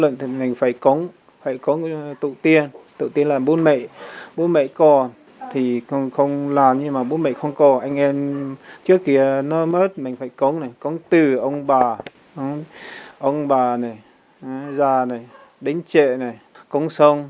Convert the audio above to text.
nhưng mà bố mẹ không có anh em trước kia nó mất mình phải cống này cống từ ông bà ông bà này già này đánh trệ này cống sông